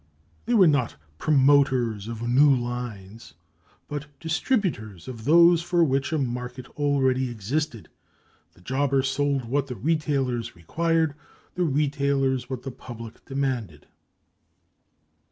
They were not promoters of new lines, but distributors of those for which a market already existed. The jobber sold what the retailers required; the retailers what the public demanded.